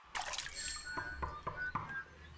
Es originaria de Nigeria y Camerún.